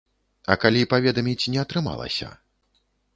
А калі паведаміць не атрымалася?